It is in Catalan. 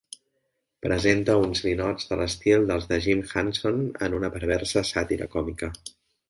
Presenta uns ninots de l'estil dels de Jim Henson en una perversa sàtira còmica.